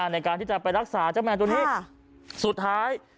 ในการที่จะไปรักษาแมวจนที่สุดท้าย